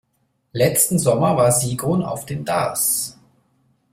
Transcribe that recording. Letzten Sommer war Sigrun auf dem Darß.